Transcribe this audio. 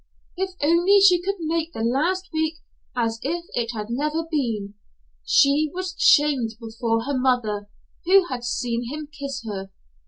If only she could make the last week as if it had never been! She was shamed before her mother, who had seen him kiss her.